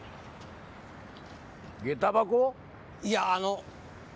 いやあの。